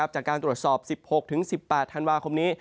จากการตรวจสอบ๑๖๑๘ธันวาคมนี้